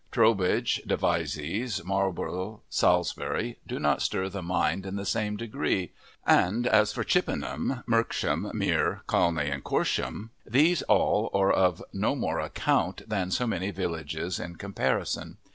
Trowbridge, Devizes, Marlborough, Salisbury, do not stir the mind in the same degree; and as for Chippenham, Melksham, Mere, Calne, and Corsham, these all are of no more account than so many villages in comparison.